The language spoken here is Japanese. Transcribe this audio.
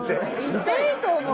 いっていいと思う。